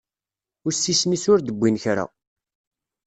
Ussisen-is ur d-wwin kra.